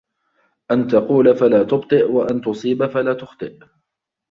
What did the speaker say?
أَنْ تَقُولَ فَلَا تُبْطِئَ وَأَن تُصِيبَ فَلَا تُخْطِئَ